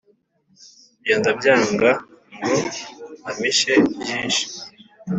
ibyo ndabyanga ngo ampishe byinshi